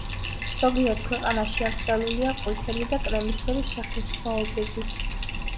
ზოგიერთ ქვეყანაში აკრძალულია ყვითელი და კრემისფერი სახესხვაობები.